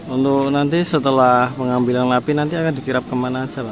untuk nanti setelah pengambilan lapi nanti akan dikirap kemana saja pak